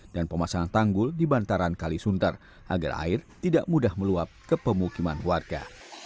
dan pemasangan tanggul di bantaran kali sunter agar air tidak mudah meluap ke pemukiman warga